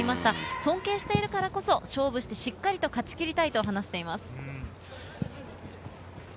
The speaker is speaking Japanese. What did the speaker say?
尊敬しているからこそ装備してしっかり勝ち切りたいと話しています。